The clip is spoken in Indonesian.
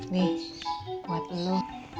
nih buat lo